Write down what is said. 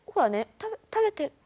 食べて。